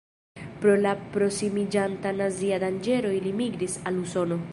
Pro la prosimiĝanta nazia danĝero ili migris al Usono.